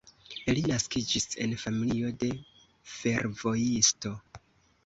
Li naskiĝis en familio de fervojisto.